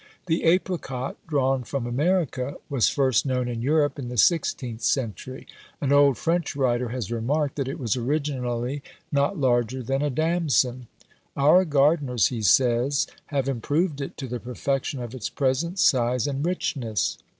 The apricot, drawn from America, was first known in Europe in the sixteenth century: an old French writer has remarked, that it was originally not larger than a damson; our gardeners, he says, have improved it to the perfection of its present size and richness.